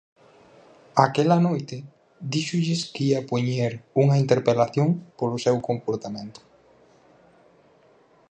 Aquela noite díxolles que ía poñer unha interpelación polo seu comportamento.